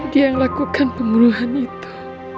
dia yang lakukan pembunuhan itu